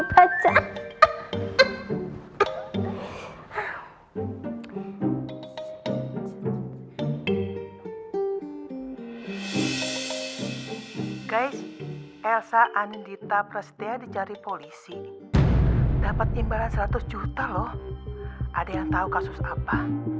guys elsa anindita presiden di jari polisi dapat imbalan seratus juta loh ada yang tahu kasus apa